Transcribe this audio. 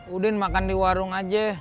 udin makan di warung aja